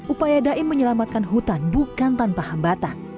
upaya daim menyelamatkan hutan bukan tanpa hambatan